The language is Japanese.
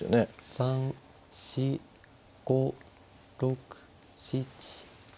３４５６７８。